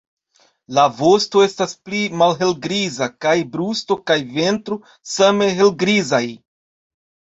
La vosto estas pli malhelgriza kaj brusto kaj ventro same helgrizaj.